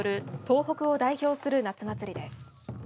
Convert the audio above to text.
東北を代表する夏祭りです。